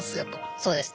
そうですね。